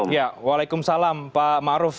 waalaikumsalam pak ma'ruf